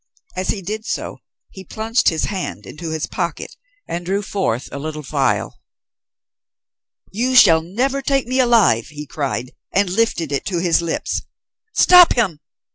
As he did so, he plunged his hand into his pocket and drew forth a little phial. "You shall never take me alive," he cried, and lifted it to his lips. "Stop him!"